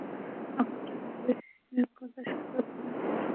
নক্ষত্ররায় বিজ্ঞতাসহকারে বলিলেন, হাঁ, স্বর্গে তাঁহারা অসন্তুষ্ট হইবেন।